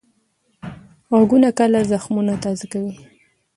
غږونه کله زخمونه تازه کوي